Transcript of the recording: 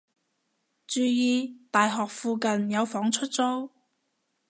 注意！大學附近有房出租